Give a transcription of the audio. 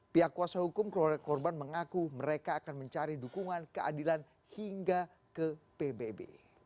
pihak kuasa hukum keluarga korban mengaku mereka akan mencari dukungan keadilan hingga ke pbb